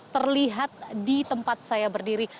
terlihat di tempat saya berdiri